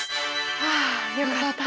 はあよかった。